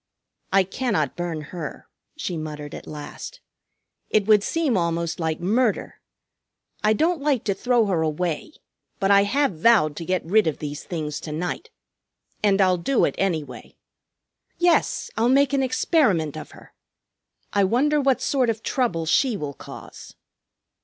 "I cannot burn her," she muttered at last. "It would seem almost like murder. I don't like to throw her away, but I have vowed to get rid of these things to night. And I'll do it, anyway. Yes, I'll make an experiment of her. I wonder what sort of trouble she will cause."